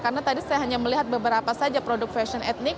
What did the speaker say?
karena tadi saya hanya melihat beberapa saja produk fashion etnik